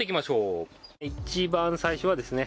一番最初はですね